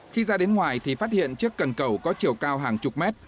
khi ra đến ngoài thì phát hiện chiếc cần cầu có chiều cao hàng chục mét